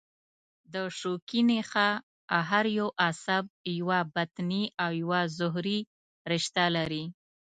د شوکي نخاع هر یو عصب یوه بطني او یوه ظهري رشته لري.